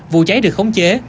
vụ cháy được khống chế